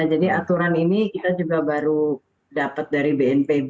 jadi aturan ini kita juga baru dapat dari bnpb